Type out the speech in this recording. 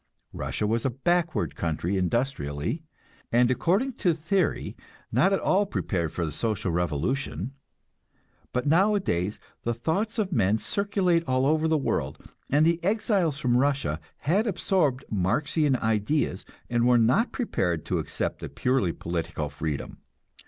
Russia was a backward country industrially, and according to theory not at all prepared for the social revolution. But nowadays the thoughts of men circulate all over the world, and the exiles from Russia had absorbed Marxian ideas, and were not prepared to accept a purely political freedom.